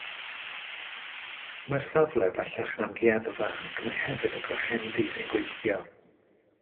Mae'r safle bellach yn amgueddfa, ac mae hefyd yn grochendy sy'n gweithio.